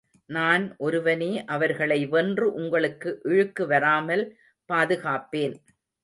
நான் ஒருவனே அவர்களை வென்று உங்களுக்கு இழுக்கு வராமல் பாதுகாப்பேன்.